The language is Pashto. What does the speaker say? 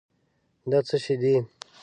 دا څه شی دی؟